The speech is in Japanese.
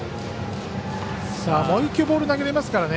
もう一球ボール投げられますからね。